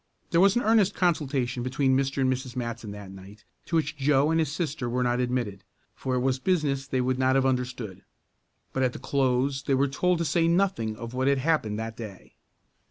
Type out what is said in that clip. There was an earnest consultation between Mr. and Mrs. Matson that night, to which Joe and his sister were not admitted, for it was business they would not have understood. But at the close they were told to say nothing of what had happened that day.